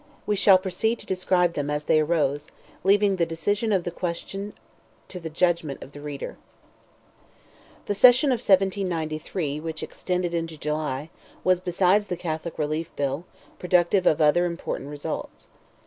We shall proceed to describe them as they arose, leaving the decision of the question to the judgment of the reader. The session of 1793, which extended into July, was, besides the Catholic Relief Bill, productive of other important results.